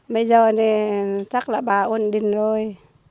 bây giờ thì chắc là bà uống điện rồi